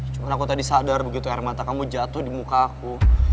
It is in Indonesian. cuma aku tadi sadar begitu air mata kamu jatuh di muka aku